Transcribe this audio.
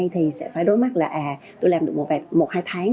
thì sẽ phải đối mắt là à tôi làm được một hai tháng